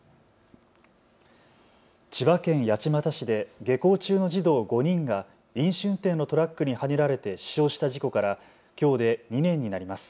千葉県八街市で下校中の児童５人が飲酒運転のトラックにはねられて死傷した事故からきょうで２年になります。